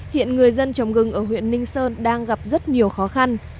hiện người dân trồng gừng ở huyện ninh sơn đang gặp rất nhiều khó khăn